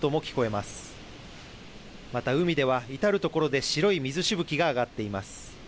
また海では至る所で白い水しぶきが上がっています。